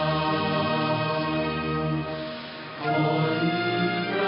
มนุษย์รักคุณภรรพิษัท